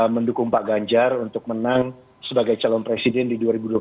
mendukung pak ganjar untuk menang sebagai calon presiden di dua ribu dua puluh empat